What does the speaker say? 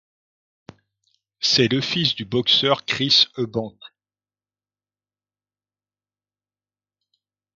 C'est le fils du boxeur Chris Eubank.